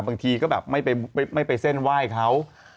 บางทีก็แบบไม่ไปเส้นไหว้เขา